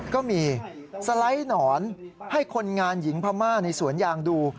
ก็มีสไลด์หนอนให้คนงานหญิงพม่าในสวนยางดู